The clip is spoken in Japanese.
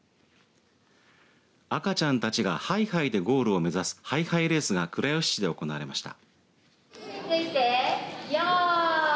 赤ちゃんたちがハイハイでゴールを目指すハイハイレースが倉吉市で行われました。